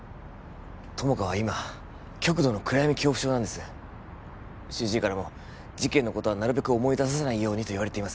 友果は今極度の暗闇恐怖症なんです主治医からも事件のことはなるべく思い出させないようにといわれています